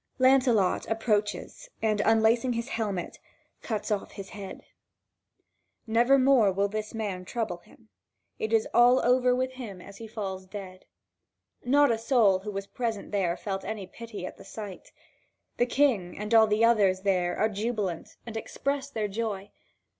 Lancelot approaches and, unlacing his helmet, cuts off his head. Never more will this man trouble him; it is all over with him as he falls dead. Not a soul who was present there felt any pity at the sight. The King and all the others there are jubilant and express their joy.